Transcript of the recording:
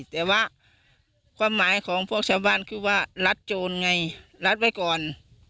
แต่ว่าความหมายของพวกชาวบ้านคือว่ารัดโจรไงรัดไว้ก่อน